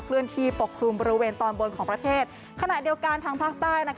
เลื่อนที่ปกคลุมบริเวณตอนบนของประเทศขณะเดียวกันทางภาคใต้